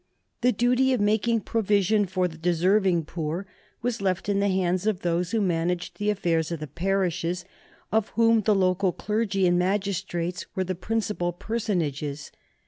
The duty of making provision for the deserving poor was left in the hands of those who managed the affairs of the parishes, of whom the local clergy and magistrates were the principal personages.